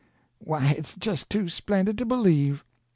Why, it's just too splendid to believe!"